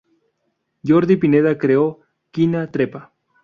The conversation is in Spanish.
Jordi Pineda creó "Quina Trepa!